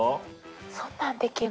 そんなんできるの？